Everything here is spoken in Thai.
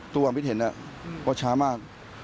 ตัวความวิถึนก็ช้ามาก